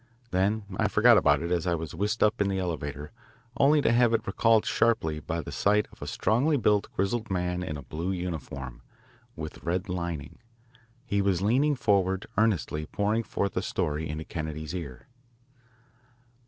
Then I forgot about it as I was whisked up in the elevator, only to have it recalled sharply by the sight of a strongly built, grizzled man in a blue uniform with red lining. He was leaning forward, earnestly pouring forth a story into Kennedy's ear.